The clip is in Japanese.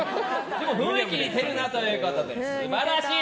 でも、雰囲気は似てるなということで素晴らしい！